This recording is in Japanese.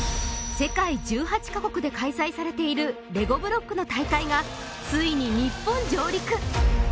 世界１８カ国で開催されているレゴブロックの大会がついに日本上陸！